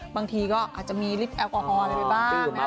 บางทีก็อาจจะมีลิฟต์แอลกอฮอลว์อะไรไปบ้าง